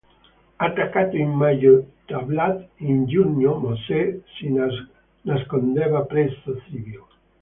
Attaccato in maggio da Vlad, in giugno Mosè si nascondeva presso Sibiu.